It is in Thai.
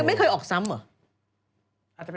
ไม่เคยออกซ้ำเหรอ